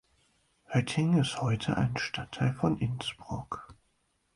Hötting ist heute ein Stadtteil von Innsbruck.